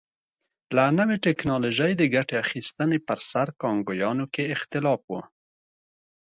له نوې ټکنالوژۍ د ګټې اخیستنې پر سر کانګویانو کې اختلاف و.